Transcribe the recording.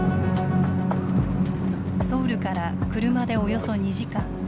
ソウルから車で、およそ２時間。